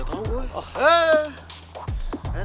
eh tadi udah marah marah